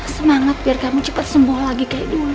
semangat biar kamu cepat sembuh lagi kayak dulu